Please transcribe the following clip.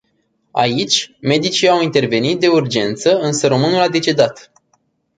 Aici, medicii au intervenit de urgență, însă românul a decedat.